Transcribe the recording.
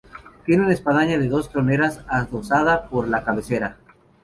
Tiene una espadaña de dos troneras adosada por la cabecera.